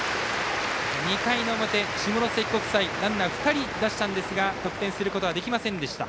２回の表、下関国際ランナーを２人出したんですが得点することができませんでした。